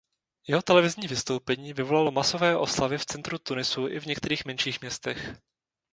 Jeho televizní vystoupení vyvolalo masové oslavy v centru Tunisu i v některých menších městech.